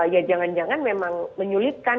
ya jangan jangan memang menyulitkan